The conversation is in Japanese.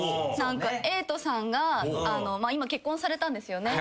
瑛人さんが今結婚されたんですよね。